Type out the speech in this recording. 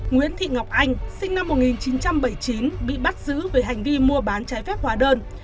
nguyễn thị ngọc anh sinh năm một nghìn chín trăm bảy mươi chín bị bắt giữ về hành vi mua bán trái phép hóa đơn